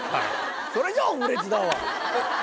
それじゃあオムレツだわ。